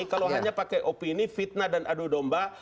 kalau hanya pakai opini fitnah dan adu domba